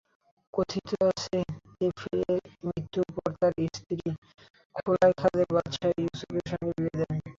কথিত আছে, কিতফীরের মৃত্যুর পর তার স্ত্রী যুলায়খাকে বাদশাহ ইউসুফের সাথে বিবাহ দেন।